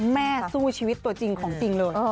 แม่สู้ชีวิตตัวจริงของจริงเลย